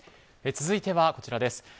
続いては、こちらです。